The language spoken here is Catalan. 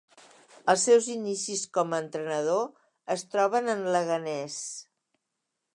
Els seus inicis com a entrenador es troben en Leganés.